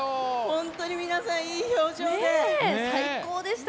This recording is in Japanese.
本当に皆さんいい表情で。